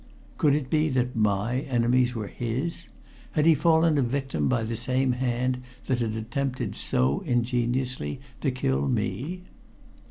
Could it be that my enemies were his? Had he fallen a victim by the same hand that had attempted so ingeniously to kill me?